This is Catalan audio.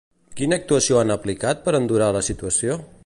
Quina actuació han aplicat per endurar la situació?